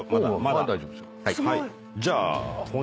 大丈夫ですよ。